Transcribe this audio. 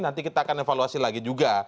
nanti kita akan evaluasi lagi juga